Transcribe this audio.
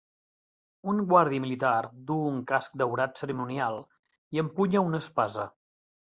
Un guàrdia militar du un casc daurat cerimonial i empunya una espasa.